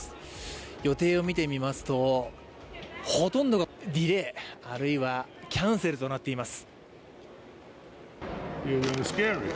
予定を見てみますと、ほとんどがディレイ、あるいはキャンセルとなっています。